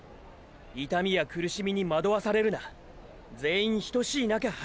痛みや苦しみにまどわされるな全員等しい中走ってる。